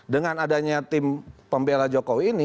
dengan adanya tim pembela jokowi ini